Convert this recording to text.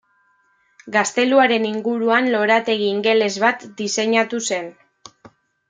Gazteluaren inguruan lorategi ingeles bat diseinatu zen.